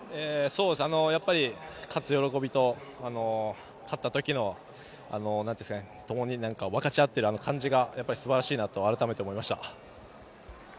勝つ喜びと、勝った時の分かち合っている感じが素晴らしいとあらためて感じました。